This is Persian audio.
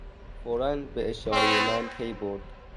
فورا به اشارهی من پی برد.